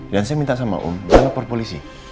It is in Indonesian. dan saya minta sama om jangan lapor polisi